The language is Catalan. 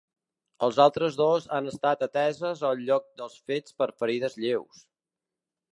Els altres dos han estat ateses al lloc dels fets per ferides lleus.